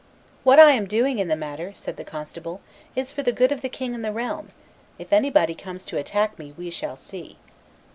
"What I am doing in the matter," said the constable, "is for the good of the king and the realm; if anybody comes to attack me, we shall see."